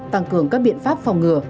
tăng cường các biện pháp phòng ngừa